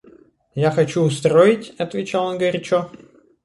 Я хочу устроить... — отвечал он горячо.